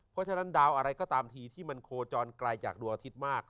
เพราะฉะนั้นดาวอะไรก็ตามทีที่มันโคจรไกลจากดวงอาทิตย์มาก